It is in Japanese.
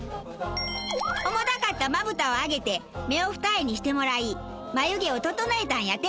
重たかったまぶたを上げて目を二重にしてもらい眉毛を整えたんやて。